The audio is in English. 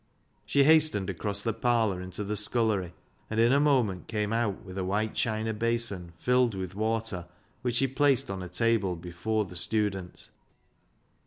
She hastened across the parlour into the scullery, and in a moment came out with a white china basin filled with water, which she placed on a table before the student.